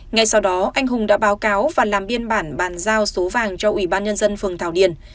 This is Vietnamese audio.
ngay sau đó anh hùng đã báo cáo và làm biên bản bàn giao số vàng cho ủy ban nhân dân phường thảo điền